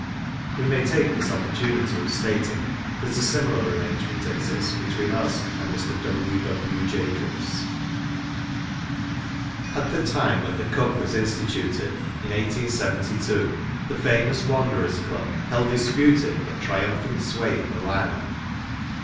We may take this opportunity of stating that a similar arrangement exists between us and Mr. W. W. Jacobs.] T the time when the Cup was instituted‚ÄĒin 1872‚ÄĒthe fam¬ ous Wanderers Club held dis¬ puted but triumphant sway in ,the land.